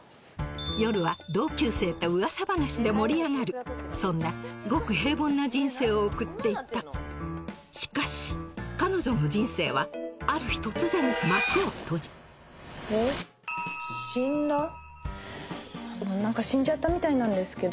夜は同級生とうわさ話で盛り上がるそんなごく平凡な人生を送っていたしかし彼女の人生はある日突然幕を閉じ何か死んじゃったみたいなんですけど。